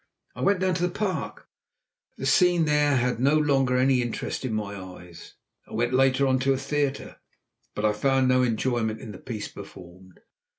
I went down to the Park, but the scene there had no longer any interest in my eyes. I went later on to a theatre, but I found no enjoyment in the piece performed.